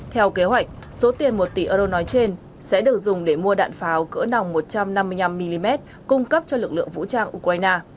theo kế hoạch số tiền một tỷ euro nói trên sẽ được dùng để mua đạn pháo cỡ nòng một trăm năm mươi năm mm cung cấp cho lực lượng vũ trang ukraine